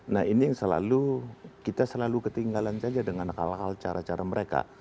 nah ini yang selalu kita selalu ketinggalan saja dengan hal hal cara cara mereka